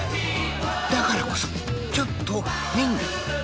だからこそちょっと変。